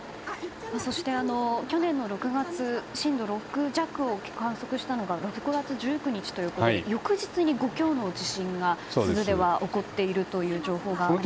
そして去年の６月震度６弱を観測したのが６月１９日ということで翌日に５強の地震が珠洲では起こっているという情報がありますが。